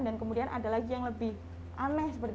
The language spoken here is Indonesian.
dan kemudian ada lagi yang lebih aneh